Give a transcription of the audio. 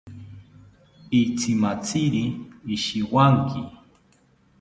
Itzimatziri ishiwanki